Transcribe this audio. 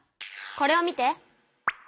これを見て。